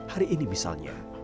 hari ini misalnya